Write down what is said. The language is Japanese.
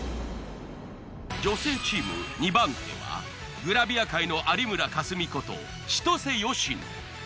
女性チーム２番手はグラビア界の有村架純ことちとせよしの。